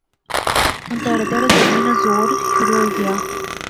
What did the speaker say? ہُن تیہڑے تیہڑے گرمی نا زور شروع ہوئی غیا